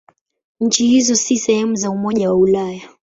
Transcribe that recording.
Nchi hizo si sehemu za Umoja wa Ulaya.